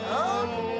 もう！